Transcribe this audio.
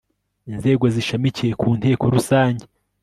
Inzego zishamikiye ku Nteko Rusange